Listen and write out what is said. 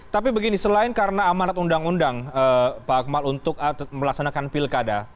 tapi begini selain karena amanat undang undang pak akmal untuk melaksanakan pilkada